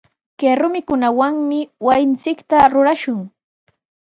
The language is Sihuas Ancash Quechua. Kay rumikunawami wasinchikta rurashun.